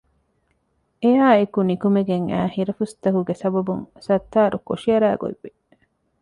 އެއާއެކު ނިކުމެގެން އައި ހިރަފުސްތަކުގެ ސަބަބުން ސައްތާރު ކޮށި އަރާ ގޮތް ވި